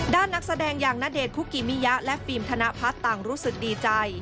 นักแสดงอย่างณเดชนคุกิมิยะและฟิล์มธนพัฒน์ต่างรู้สึกดีใจ